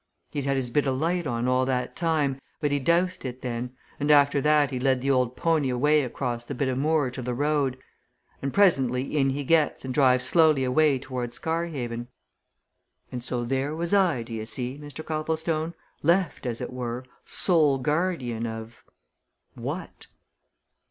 He'd had his bit of light on all that time, but he doused it then, and after that he led the old pony away across the bit of moor to the road, and presently in he gets and drives slowly away towards Scarhaven. And so there was I, d'ye see, Mr. Copplestone, left, as it were, sold guardian of what?"